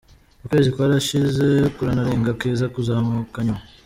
Ukwezi kwarashize kuranarenga kiza kuzimuka nyuma.